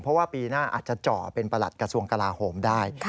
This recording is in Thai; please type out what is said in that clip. เพราะว่าปีหน้าอาจจะเจาะเป็นประหลัดกระทรวงกลาโหมได้